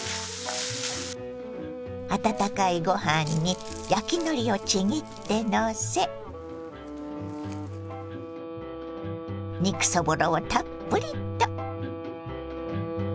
温かいご飯に焼きのりをちぎってのせ肉そぼろをたっぷりと。